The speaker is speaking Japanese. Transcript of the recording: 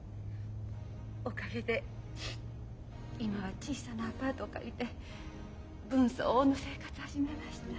おかげで今は小さなアパートを借りて分相応の生活を始めました。